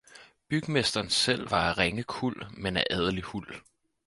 Bygmesteren selv var af ringe Kuld, men af adelig Huld.